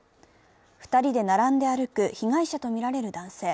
２人で並んで歩く被害者とみられる男性。